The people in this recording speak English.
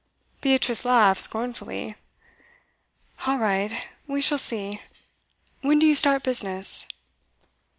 Beatrice laughed scornfully. 'All right. We shall see. When do you start business?